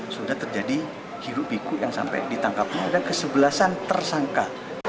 sudah terjadi hirup pikuk yang sampai ditangkapnya ada kesebelasan tersangka